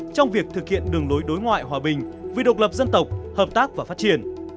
trong việc thực hiện đường lối đối ngoại hòa bình vì độc lập dân tộc hợp tác và phát triển